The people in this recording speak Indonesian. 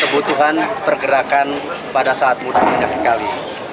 kebutuhan pergerakan pada saat mudiknya kali